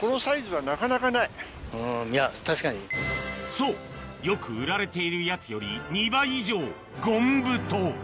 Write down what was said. そうよく売られているやつより２倍以上ごんぶと